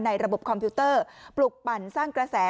ระบบคอมพิวเตอร์ปลุกปั่นสร้างกระแส